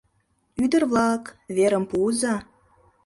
Ӱдыр-влак, верым пуыза.